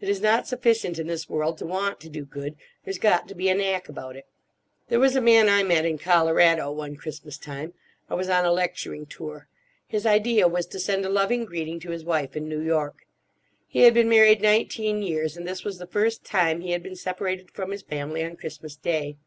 It is not sufficient, in this world, to want to do good; there's got to be a knack about it. There was a man I met in Colorado, one Christmas time. I was on a lecturing tour. His idea was to send a loving greeting to his wife in New York. He had been married nineteen years, and this was the first time he had been separated from his family on Christmas Day.